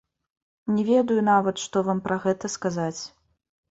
Не ведаю нават, што вам пра гэта сказаць.